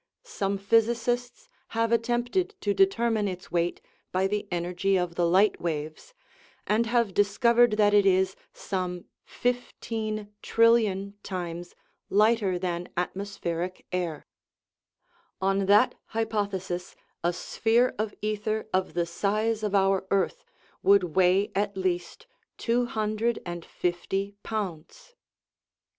Some physi cists have attempted to determine its weight by the energy of the light waves, and have discovered that it is some fifteen trillion times lighter than atmospheric air ; on that hypothesis a sphere of ether of the size of our earth would weigh at least two hundred and fifty pounds